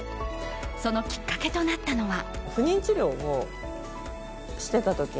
そのきっかけとなったのは。